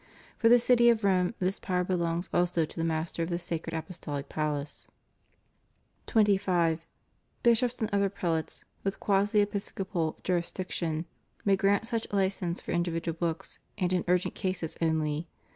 For the city of Rome this power belongs also to the Master of the Sacred Apostolic Palace. 25. Bishops and other prelates with quasi episcopal jurisdiction may grant such license for individual books, and in urgent cases only.